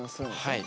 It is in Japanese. はい。